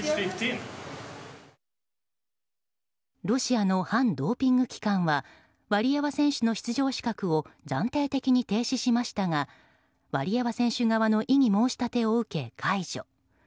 ロシアの反ドーピング機関はワリエワ選手の出場資格を暫定的に停止しましたがワリエワ選手側の異議申し立てを受け解除。